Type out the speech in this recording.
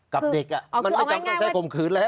กับเด็กอ่ะมันไม่จำเป็นต้องใช้คมขืนแล้ว